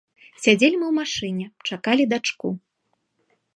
Сядзелі мы ў машыне, чакалі дачку.